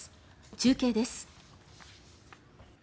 中継です。